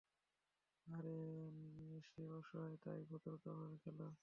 আরে, সে অসহায়, তাই ভদ্রভাবে খেলো।